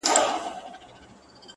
• او نور به پرته له ګدايۍ کولو -